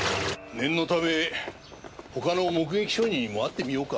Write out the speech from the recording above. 念のため他の目撃証人にも会ってみようか。